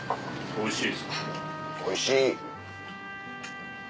おいしい。